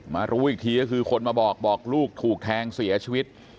รู้อีกทีก็คือคนมาบอกบอกลูกถูกแทงเสียชีวิต